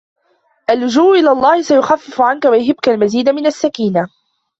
اللجوء إلى الله سيخفف عنك ويهبك المزيد من السكينة